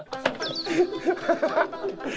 ハハハハ！